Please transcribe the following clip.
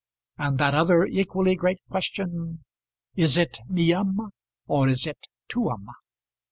and that other equally great question, "Is it meum or is it tuum?"